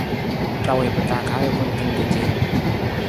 Ra wii pa taa ka ajukun tan ka ce.